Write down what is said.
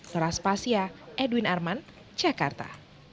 noras pasya edwin arman jakarta